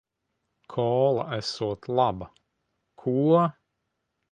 Kola esot laba. Ko???